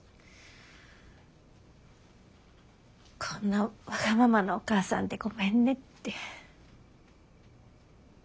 こんなわがままなお母さんでごめんねって。